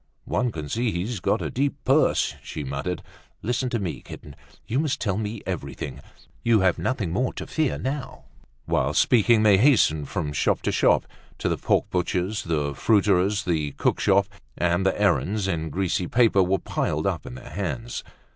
"One can see he's got a deep purse," she muttered. "Listen to me, kitten; you must tell me everything. You have nothing more to fear now." Whilst speaking they hastened from shop to shop—to the pork butcher's, the fruiterer's, the cook shop; and the errands in greasy paper were piled up in their hands.